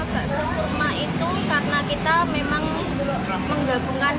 bakso kurma itu karena kita memang menggabungkan